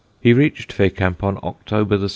He reached Fécamp on October 16.